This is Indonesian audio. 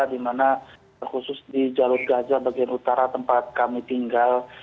dimana khusus di jalur gaza bagian utara tempat kami tinggal